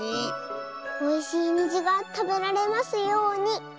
おいしいにじがたべられますように。